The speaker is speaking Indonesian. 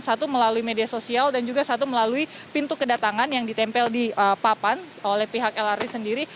satu melalui media sosial dan juga satu melalui pintu kedatangan yang ditempel di papan oleh pihak lrt sendiri